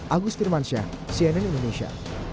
agus firmansyah cnn indonesia